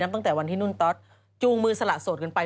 ตั้งแต่วันที่นุ่นต๊อตจูงมือสละโสดกันไป